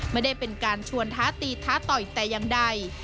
ไม่ได้เป็นการชวนท้าตีท้าต่อยแต่อย่างใด